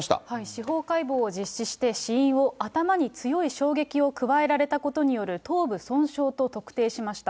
司法解剖を実施して、死因を頭に強い衝撃を加えられたことによる頭部損傷と特定しました。